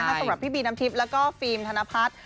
สำหรับพี่บีน้ำทิพย์แล้วก็ฟิล์มธนพัฒน์